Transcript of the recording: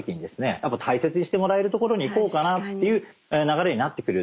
やっぱ大切にしてもらえる所に行こうかなっていう流れになってくる。